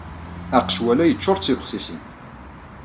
Aqecwal-a yeccuṛ d tibexsisin.